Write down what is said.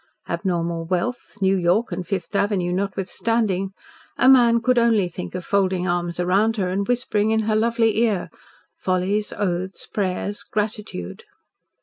abnormal wealth, New York and Fifth Avenue notwithstanding, a man could only think of folding arms round her and whispering in her lovely ear follies, oaths, prayers, gratitude.